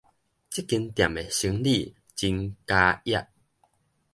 這間店的生理真交易